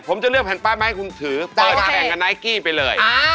ผมจะเลือกแผ่นป้ายมาให้คุณถือเปิดแข่งกับไนท์กี้ไปเลย